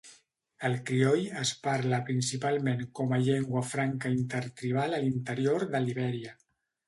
El crioll es parla principalment com a llengua franca intertribal a l'interior de Libèria.